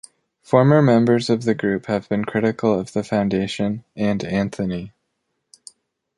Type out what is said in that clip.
Former members of the group have been critical of the Foundation and Anthony.